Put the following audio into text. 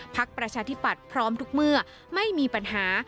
ประชาธิปัตย์พร้อมทุกเมื่อไม่มีปัญหา